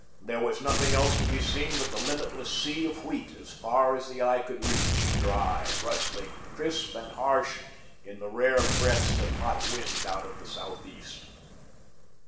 There was nothing else to be seen but the limitless sea of wheat as far as the eye could reach, dry, rustling, crisp and harsh in the rare breaths of hot wind out of the southeast.